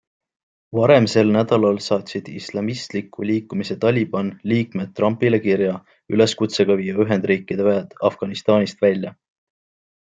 Varem sel nädalal saatsid islamistliku liikumise Taliban liikmed Trumpile kirja üleskutsega viia Ühendriikide väed Afganistanist välja.